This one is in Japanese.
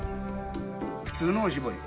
普通のおしぼり。